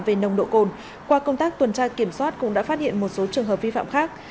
về nồng độ cồn qua công tác tuần tra kiểm soát cũng đã phát hiện một số trường hợp vi phạm khác